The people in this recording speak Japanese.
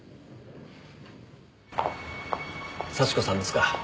幸子さんですか。